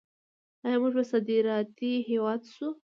آیا موږ به صادراتي هیواد شو؟